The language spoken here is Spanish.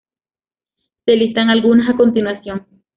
Se listan algunas a continuación